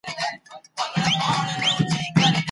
نااميدي لويه ګناه ګڼل کيږي.